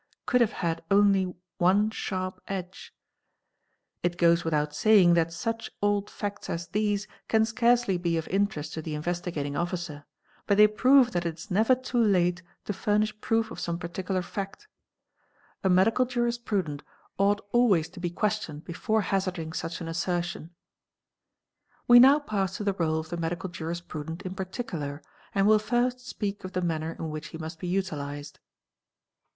2) could have had only one sha edge ", It goes without saying that such old facts as these q scarcely be of interest to the Investigating Officer but they prove th it is never too late to furnish proof of some particular fact; a medi¢ MEDICAL JURISPRUDENCE 157 _ jurisprudent ought always to be questioned before hazarding such an assertion 5), We now pass to the réle of the medical jurisprudent in particular and will first speak of the manner in which he must be utilised.